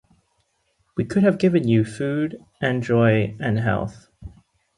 We have given you food and joy and health.